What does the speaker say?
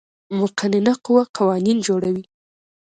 مقننه قوه قوانین جوړوي